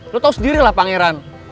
lo tau sendiri lah pangeran